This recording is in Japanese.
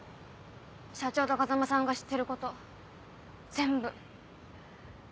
社長と風真さんが知ってること全部。